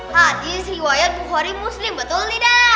hadis riwayat hori muslim betul tidak